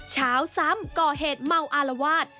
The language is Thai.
เช้าซ้ำก่อเหตุเมาอารวาส